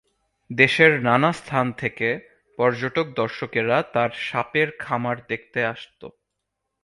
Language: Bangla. দেশের নানা স্থান থেকে পর্যটক দর্শকেরা তার সাপের খামার দেখতে আসত।